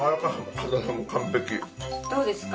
どうですか？